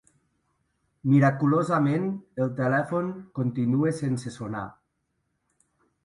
Miraculosament el telèfon continua sense sonar.